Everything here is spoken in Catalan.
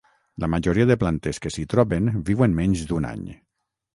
La majoria de plantes que s'hi troben viuen menys d'un any.